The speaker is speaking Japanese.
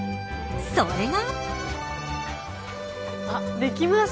それが。